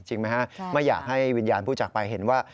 ไหมฮะไม่อยากให้วิญญาณผู้จากไปเห็นว่า